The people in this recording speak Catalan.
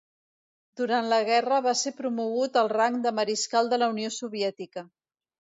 Durant la guerra va ser promogut al rang de Mariscal de la Unió Soviètica.